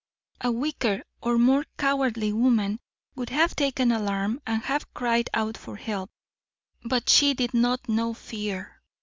A weaker or more cowardly woman would have taken alarm and have cried out for help; but she did not know fear.